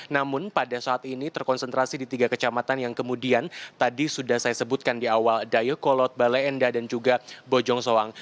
namun pada saat ini terkonsentrasi di tiga kecamatan yang kemudian tadi sudah saya sebutkan di awal dayakolot bale endah dan juga bojong soang